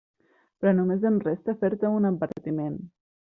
Però només em resta fer-te un advertiment.